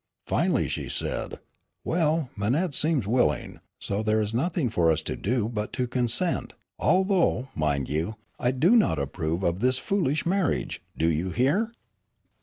Finally she said: "Well, Manette seems willing, so there is nothing for us to do but to consent, although, mind you, I do not approve of this foolish marriage, do you hear?"